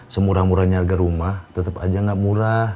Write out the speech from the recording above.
semurah murahnya harga rumah tetep aja gak murah